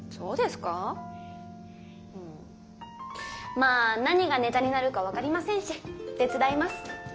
まあ何がネタになるか分かりませんし手伝います。